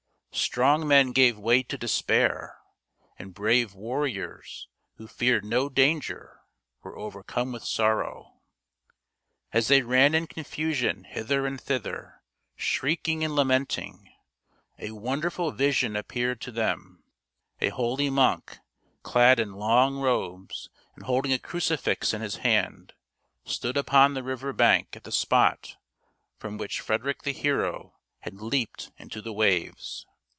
Strong men gave way to despair, and brave warriors who feared no danger were overcome with sorrow, FREDERICK BARBAROSSA 12/ As they ran in confusion hither and thither, shrieking and lamenting, a wonderful vision ap peared to them. A holy monk, clad in long robes and holding a crucifix in his hand, stood upon the river bank at the spot from which Frederick the hero had leaped into the waves.